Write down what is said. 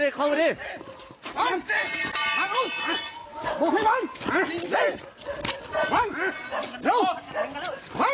เอาเลยเอาเลยเอาเลย